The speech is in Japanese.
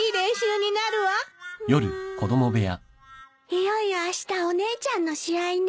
いよいよあしたお姉ちゃんの試合ね。